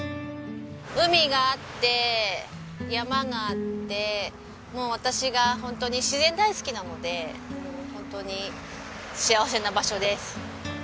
海があって山があって私がホントに自然大好きなのでもうホントに幸せな場所です。